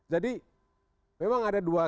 jadi memang ada dua